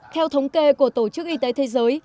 theo thống kê của tổ chức y tế thế giới